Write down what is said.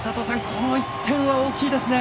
この１点は大きいですね。